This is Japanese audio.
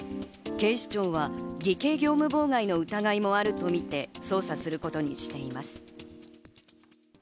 警視庁は偽計業務妨害の疑いもあるとみて捜査することにしています。